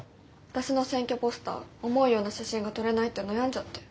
私の選挙ポスター思うような写真が撮れないって悩んじゃって。